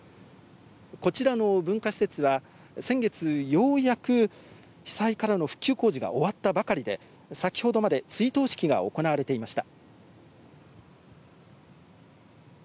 こちらの文化施設は先月、ようやく被災からの復旧工事が終わったばかりで、先ほどまで追悼式が行われていました。